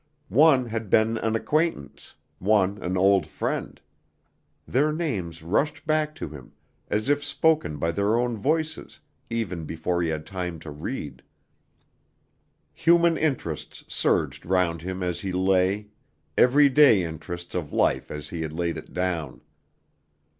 One had been an acquaintance, one an old friend. Their names rushed back to him, as if spoken by their own voices, even before he had time to read. Human interests surged round him as he lay, every day interests of life as he had laid it down.